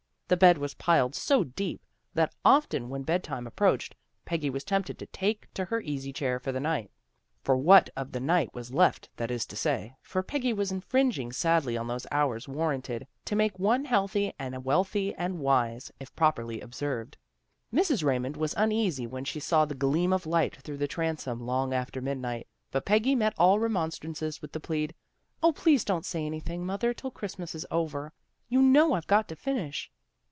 The bed was piled so deep that often when bed time ap proached, Peggy was tempted to take to her easy chair for the night, for what of the night was left, that is to say, for Peggy was infringing sadly on those hours warranted to make one healthy and wealthy and wise, if properly 166 CHRISTMAS PREPARATIONS 167 observed. Mrs. Raymond was uneasy when she saw the gleam of light through the transom long after midnight, but Peggy met all remon strances with the plead, " O, please don't say anything, mother, till Christmas is over. You know I've got to finish."